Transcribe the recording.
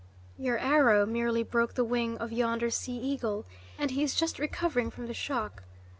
Your arrow merely broke the wing of yonder sea eagle, and he is just recovering from the shock.